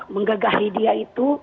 menggagahi dia itu